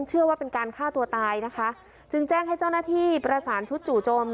เชื่อว่าเป็นการฆ่าตัวตายนะคะจึงแจ้งให้เจ้าหน้าที่ประสานชุดจู่จม